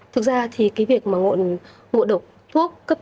thực ra thì cái việc mà ngộn ngụa độc thuốc cấp tính